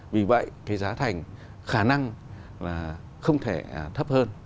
vì vậy cái giá thành khả năng là không thể thấp hơn